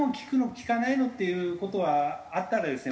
効かないの？」っていう事はあったらですね